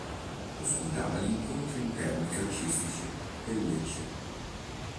Ospitava gli incontri interni calcistici del Lecce.